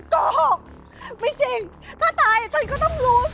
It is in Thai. ก็ไม่จริงถ้าตายฉันก็ต้องรู้